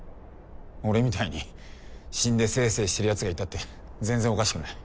俺みたいに死んでせいせいしてる奴がいたって全然おかしくない。